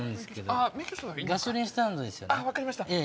あぁ分かりました。